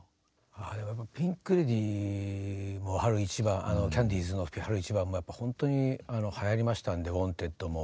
あぁでもピンク・レディーもキャンディーズの「春一番」も本当にはやりましたんで「ウォンテッド」も。